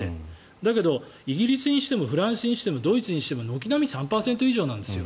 だけど、イギリスにしてもフランスにしてもドイツにしても軒並み３％以上なんです。